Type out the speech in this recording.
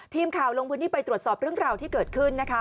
ทีมข่าวลงพื้นที่ไปตรวจสอบเรื่องราวที่เกิดขึ้นนะคะ